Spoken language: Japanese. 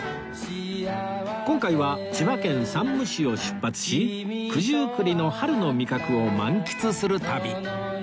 今回は千葉県山武市を出発し九十九里の春の味覚を満喫する旅